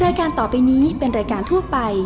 รายการต่อไปนี้เป็นรายการทั่วไป